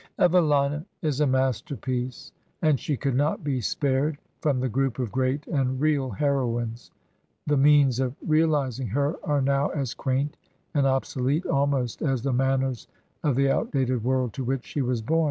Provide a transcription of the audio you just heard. Evehna is a masterpiece, and she could not be spared from the group of great and real heroines. The means of realizing her are now as quaint and ob solete almost as the manners of the outdated world to which she was bom.